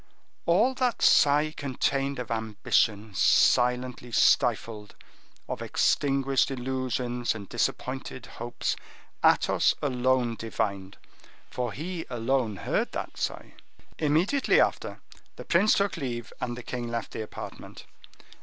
All that sigh contained of ambition silently stifled, of extinguished illusions and disappointed hopes, Athos alone divined, for he alone heard that sigh. Immediately after, the prince took leave and the king left the apartment.